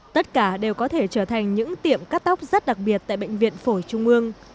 tất cả đều có thể trở thành những tiệm cắt tóc rất đặc biệt tại bệnh viện phổi trung ương